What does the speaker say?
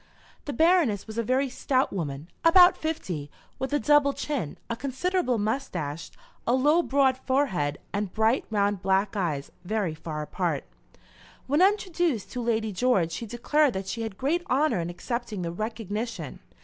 The Baroness, was a very stout woman, about fifty, with a double chin, a considerable moustache, a low broad forehead, and bright, round, black eyes, very far apart. When introduced to Lady George, she declared that she had great honour in accepting the re cog nition.